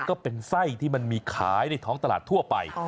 ก็เป็นไส้ที่มันมีขายในท้องตลาดทั่วไป